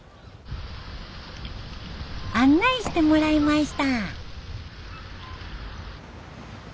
案内してもらいました。